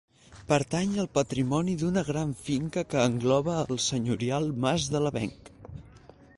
Pertany al patrimoni d'una gran finca que engloba el senyorial mas de l'Avenc.